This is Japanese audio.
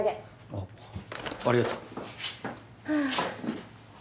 あっありがとう。はあ。